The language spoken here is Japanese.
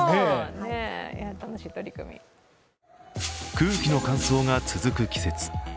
空気の乾燥が続く季節。